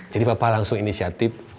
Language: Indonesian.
jadi papa langsung inisiatif